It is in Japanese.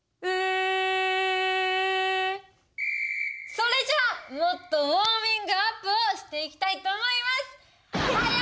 それじゃもっとウォーミングアップをしていきたいと思います！